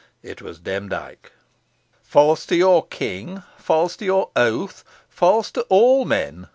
It was Demdike. "False to your king! false to your oath! false to all men!"